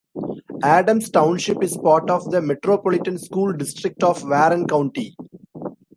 Adams Township is part of the Metropolitan School District of Warren County.